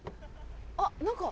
あっ何か。